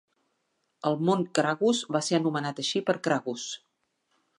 El Mont Cragus va ser anomenat així per Cragus.